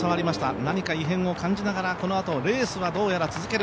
何か異変を感じながらこのあとレースはどうやら続ける。